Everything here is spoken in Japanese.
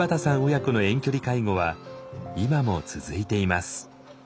親子の遠距離介護は今も続いています。